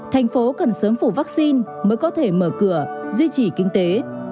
thành phố cần sớm phủ vaccine mới có thể mở cửa duy trì kinh tế